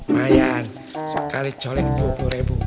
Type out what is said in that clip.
mayan sekali coleng dua puluh ribu